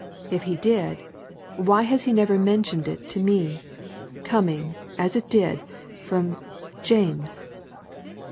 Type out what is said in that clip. If he did, why has he never mentioned it to me? Coming, as it did, from James!"